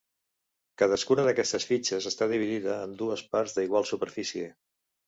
Cadascuna d'aquestes fitxes està dividida en dues parts d'igual superfície.